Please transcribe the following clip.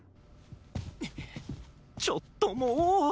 ちょっともう！